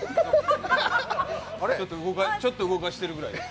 ちょっと動かしてるぐらい。